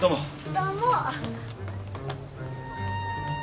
どうも。